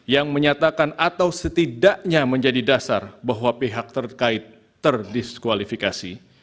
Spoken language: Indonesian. yang menyatakan atau setidaknya menjadi dasar bahwa pihak terkait terdiskualifikasi